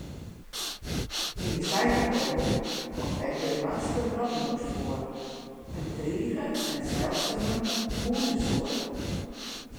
Yn de Saiterpolder komt ek de Noardske wrotmûs foar, in bedrige en seldsume mûzesoarte.